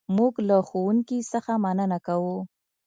موږ له ښوونکي څخه مننه کوو.